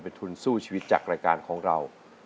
เป็นทุนสู้ชีวิตจากรายการของเรา